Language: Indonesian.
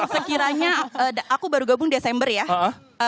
sekiranya aku baru gabung desember ya